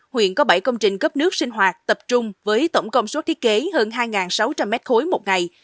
huyện có bảy công trình cấp nước sinh hoạt tập trung với tổng công suất thiết kế hơn hai sáu trăm linh m ba một ngày